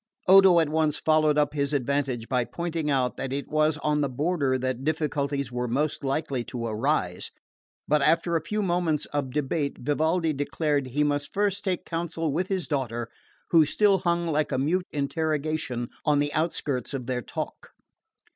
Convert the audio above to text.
Odo at once followed up his advantage by pointing out that it was on the border that difficulties were most likely to arise; but after a few moments of debate Vivaldi declared he must first take counsel with his daughter, who still hung like a mute interrogation on the outskirts of their talk.